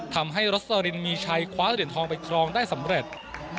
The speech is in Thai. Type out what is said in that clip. ทำให้รสลินมีชัยคว้าเหรียญทองไปครองได้สำเร็จ